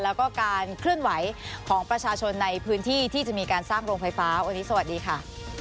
แล้วก็การเคลื่อนไหวของประชาชนในพื้นที่ที่จะมีการสร้างโรงไฟฟ้าวันนี้สวัสดีค่ะ